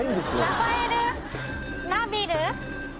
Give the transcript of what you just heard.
ラファエル・ナビル？